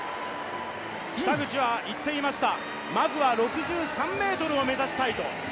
北口は言っていました、まずは６３ｍを目指したいと。